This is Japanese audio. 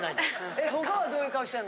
え他はどういう顔してんの？